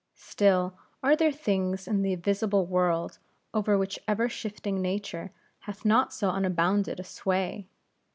Still, are there things in the visible world, over which ever shifting Nature hath not so unbounded a sway.